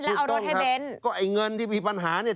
แล้วเอารถให้เบ้นก็ไอ้เงินที่มีปัญหาเนี่ย